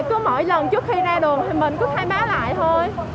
cứ mỗi lần trước khi ra đường thì mình cứ thay báo lại thôi